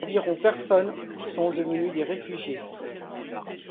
Environ personnes sont devenues des réfugiés.